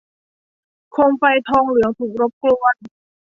โคมไฟทองเหลืองถูกรบกวน